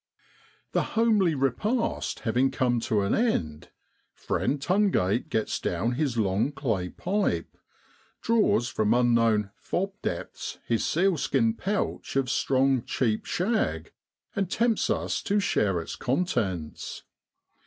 ' The homely repast having come to an end, friend Tungate gets down his long clay pipe, draws from unknown t fob ' depths his sealskin pouch of strong cheap shag, and tempts us to share its contents.